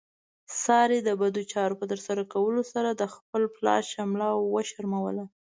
سارې د بدو چارو په ترسره کولو سره د خپل پلار شمله وشرموله.